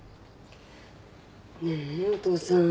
ねえお父さん。